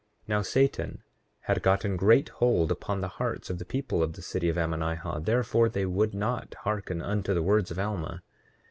8:9 Now Satan had gotten great hold upon the hearts of the people of the city of Ammonihah; therefore they would not hearken unto the words of Alma.